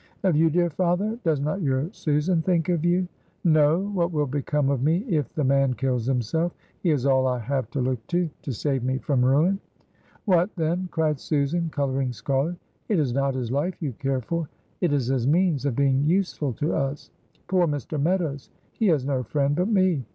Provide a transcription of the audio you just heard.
"Of you, dear father? Does not your Susan think of you?" "No! what will become of me if the man kills himself? He is all I have to look to, to save me from ruin." "What, then?" cried Susan, coloring scarlet, "it is not his life you care for, it is his means of being useful to us! Poor Mr. Meadows! He has no friend but me.